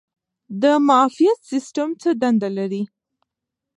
د معافیت سیستم څه دنده لري؟